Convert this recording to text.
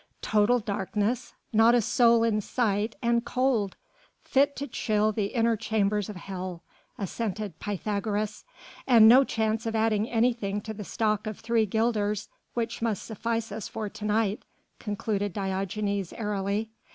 "Total darkness, not a soul in sight, and cold! fit to chill the inner chambers of hell," assented Pythagoras. "And no chance of adding anything to the stock of three guilders which must suffice us for to night," concluded Diogenes airily.